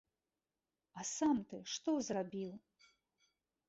А сам ты што зрабіў?